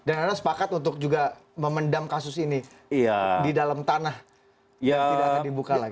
dan anda sepakat untuk juga memendam kasus ini di dalam tanah yang tidak dibuka lagi